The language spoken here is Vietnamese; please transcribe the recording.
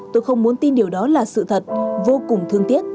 tôi không muốn tin điều đó là sự thật vô cùng thương tiếc